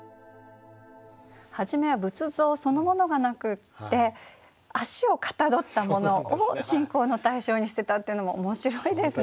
初めは仏像そのものがなくって足をかたどったものを信仰の対象にしてたっていうのも面白いですね。